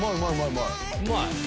うまい！